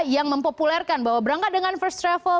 yang mempopulerkan bahwa berangkat dengan first travel